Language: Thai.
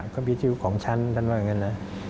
ก็วิวของฉันท่านว่าอย่างนั้นนะ